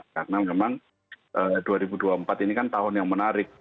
karena memang dua ribu dua puluh empat ini kan tahun yang menarik